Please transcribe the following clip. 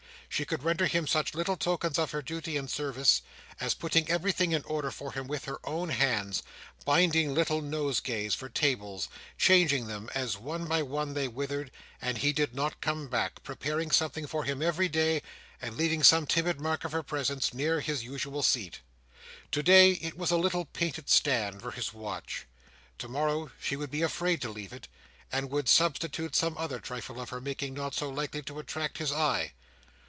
She could render him such little tokens of her duty and service, as putting everything in order for him with her own hands, binding little nosegays for table, changing them as one by one they withered and he did not come back, preparing something for him every day, and leaving some timid mark of her presence near his usual seat. Today, it was a little painted stand for his watch; tomorrow she would be afraid to leave it, and would substitute some other trifle of her making not so likely to attract his eye.